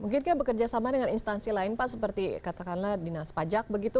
mungkin kan bekerja sama dengan instansi lain pak seperti katakanlah dinas pajak begitu